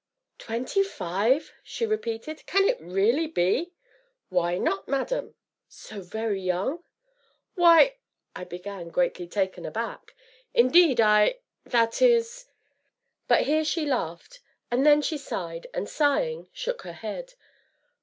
"Twenty five!" she repeated, "can it really be?" "Why not, madam?" "So very young?" "Why " I began, greatly taken aback. "Indeed, I that is " But here she laughed and then she sighed, and sighing, shook her head.